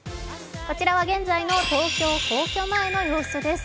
こちらは現在の東京・皇居前の様子です。